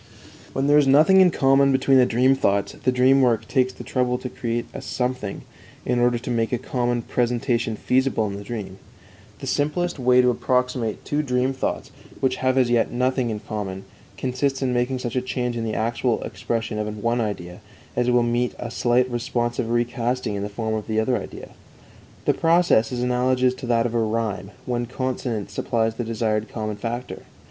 When there is nothing in common between the dream thoughts, the dream work takes the trouble to create a something, in order to make a common presentation feasible in the dream. The simplest way to approximate two dream thoughts, which have as yet nothing in common, consists in making such a change in the actual expression of one idea as will meet a slight responsive recasting in the form of the other idea. The process is analogous to that of rhyme, when consonance supplies the desired common factor.